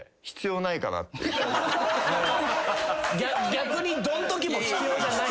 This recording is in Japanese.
逆にどん時も必要じゃない。